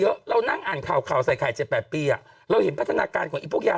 เพราะว่าเด็กบางคนอ่ะ